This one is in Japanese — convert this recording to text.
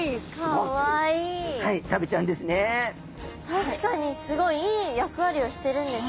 確かにすごいいい役割をしてるんですね。